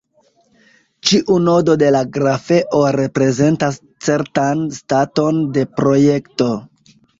Ĉiu nodo de la grafeo reprezentas certan staton de projekto.